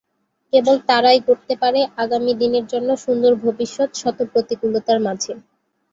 কেবল তারাই গড়তে পারে আগামী দিনের জন্য সুন্দর ভবিষ্যত শত প্রতিকূলতার মাঝে।